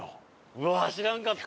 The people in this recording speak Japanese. うわっ知らんかった！